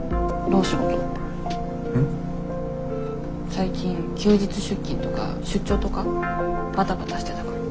最近休日出勤とか出張とかバタバタしてたから。